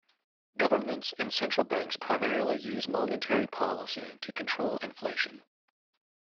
Governments and central banks primarily use monetary policy to control inflation.